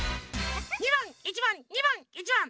２ばん１ばん２ばん１ばん。